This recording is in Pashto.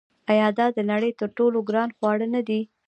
آیا دا د نړۍ تر ټولو ګران خواړه نه دي؟